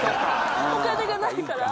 お金がないから？